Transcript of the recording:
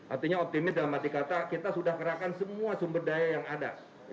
artinya optimis dalam arti kata kita sudah kerahkan semua sumber daya yang ada